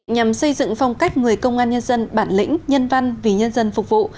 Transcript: nhằm xây dựng phong cách người công an nhân dân bản lĩnh nhân văn vì nhân dân phục vụ